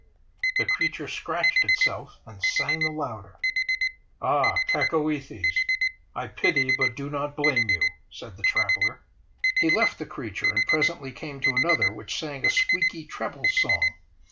The creature scratched itself, and sang the louder. "Ah! Cacoethes! I pity, but do not blame you," said the traveller. He left the creature, and presently came to another which sang a squeaky treble song.